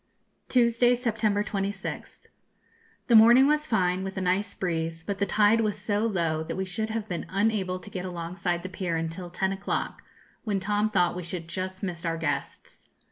Tuesday, September 26th. The morning was fine, with a nice breeze, but the tide was so low that we should have been unable to get alongside the pier until ten o'clock, when Tom thought we should just miss our guests.